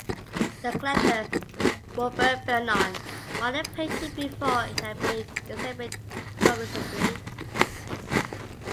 The collector Robert Vernon bought the painting before it had been exhibited publicly.